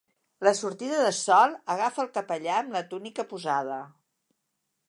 La sortida de sol agafa el capellà amb la túnica posada.